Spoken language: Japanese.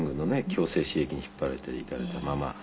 強制使役に引っ張っていかれたまま。